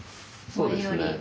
そうですね。